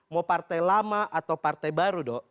mau partai lama atau partai baru dok